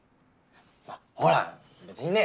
ほら別にね